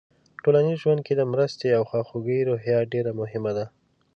ټولنیز ژوند کې د مرستې او خواخوږۍ روحیه ډېره مهمه ده.